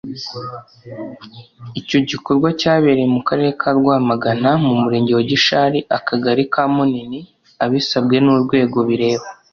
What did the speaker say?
Icyo gikorwa cyabereye mu Karere ka Rwamagana mu Murenge wa Gishari Akagari ka munini abisabwe n ‘urwego bireba .